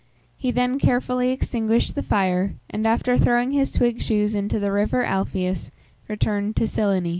He then carefully extinguished the fire, and, after throwing his twig shoes into the river Alpheus, returned to Cyllene.